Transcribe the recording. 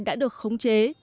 đã được khống chế